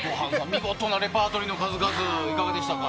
見事なレパートリーの数々いかがでしたか？